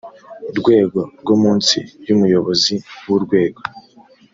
rwego rwo munsi y umuyobozi w urwego